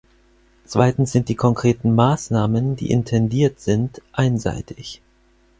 Zweitens sind die konkreten Maßnahmen, die intendiert sind, einseitig.